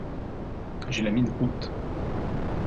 J’ai la mine haute